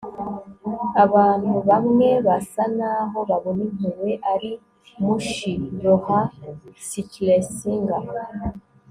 abantu bamwe basa naho babona impuhwe ari mushy. - laura schlessinger